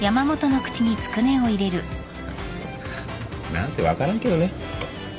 なんて分からんけどね。